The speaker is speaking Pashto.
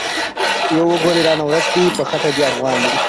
يو وګړی رانه ورک دی چی په خټه دی افغان